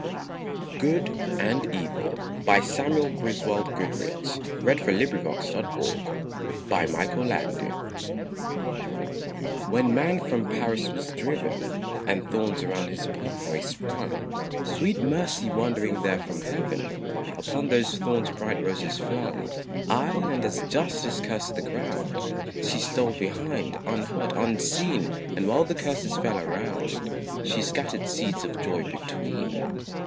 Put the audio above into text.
ings of light. Stranger, Farewell!" Good and Evil. [Illustration: The Expulsion from Eden] When man from Paradise was driven, And thorns around his pathway sprung, Sweet Mercy wandering there from heaven Upon those thorns bright roses flung. Aye, and as Justice cursed the ground, She stole behind, unheard, unseen And while the curses fell around, She scattered seeds of joy between.